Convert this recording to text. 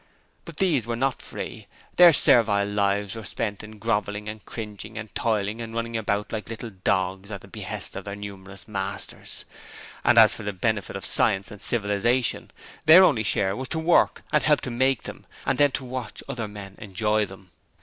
But these were not free: their servile lives were spent in grovelling and cringing and toiling and running about like little dogs at the behest of their numerous masters. And as for the benefits of science and civilization, their only share was to work and help to make them, and then to watch other men enjoy them.